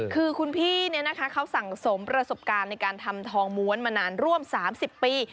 คือคุณพี่เขาสั่งสมประสบการณ์ในการทำทองม้วนมานานร่วม๓๐ปี